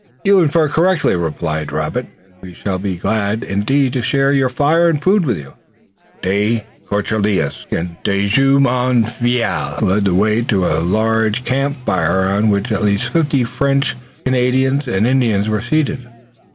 "You infer correctly," replied Robert, "and we shall be glad indeed to share your fire and food with you." De Courcelles and Jumonville led the way to a large camp fire around which at least fifty French, Canadians and Indians were seated.